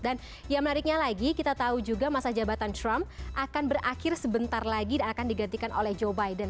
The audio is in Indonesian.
dan yang menariknya lagi kita tahu juga masa jabatan trump akan berakhir sebentar lagi dan akan digantikan oleh joe biden